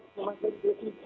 kemasih di situ